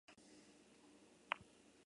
El blasón se compone de dos partes.